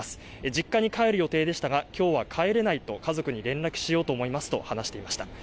実家に帰る予定でしたがきょうは帰れないと家族に連絡しようと思いますと話していました。